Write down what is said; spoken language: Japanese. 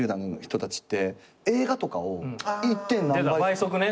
倍速ね。